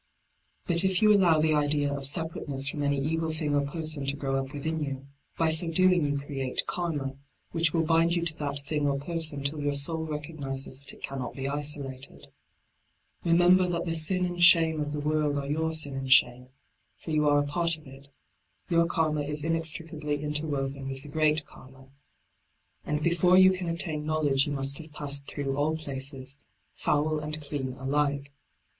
But if you allow the idea of separateness from any evil thing or person to grow up within you, by so doing you create Karma, which d by Google LIGHT ON THE PATH 23 will bind you to that thing Or person till your soul recognises that it cannot be isolated. Remember that the sin and shame of the world are your sin and shame ; for you are a part of it ; your Karma is inextricably inter woven with the great Karma. And before you cah attain knowledge you must have passed through . all places, foul and clean alike.